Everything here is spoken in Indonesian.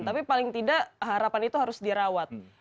tapi paling tidak harapan itu harus dirawat